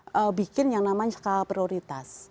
kita bikin yang namanya skala prioritas